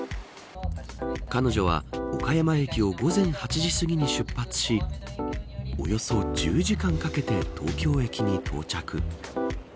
彼女は岡山駅を午前８時すぎに出発しおよそ１０時間かけて東京駅に到着。